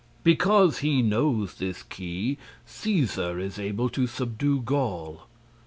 Because he knows this key, Cæsar is able to subdue Gaul.